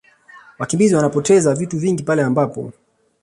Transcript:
Wakimbizi wanapoteza vitu vingi pale ambapo